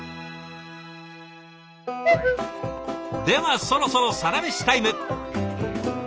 ではそろそろサラメシタイム。